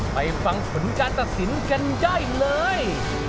ไปฟังผลการตัดสินกันย่อยเลย